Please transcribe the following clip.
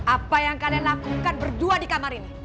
apa yang kalian lakukan berdua di kamar ini